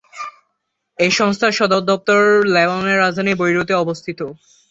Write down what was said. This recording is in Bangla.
এই সংস্থার সদর দপ্তর লেবাননের রাজধানী বৈরুতে অবস্থিত।